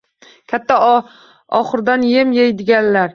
Katta oxurdan yem yeydiganlar